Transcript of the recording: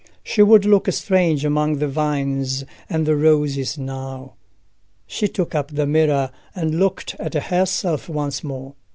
"She would look strange among the vines and the roses now." She took up the mirror, and looked at herself once more.